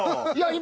今。